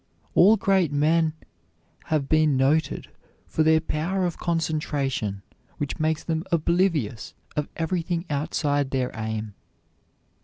All great men have been noted for their power of concentration which makes them oblivious of everything outside their aim.